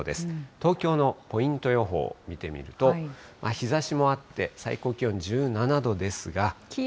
東京のポイント予報見てみると、日ざしもあって、最高気温１７度ですが。